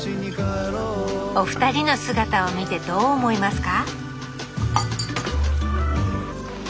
お二人の姿を見てどう思いますか？